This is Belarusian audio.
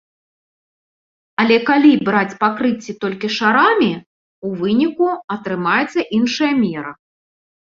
Але калі браць пакрыцці толькі шарамі, у выніку атрымаецца іншая мера.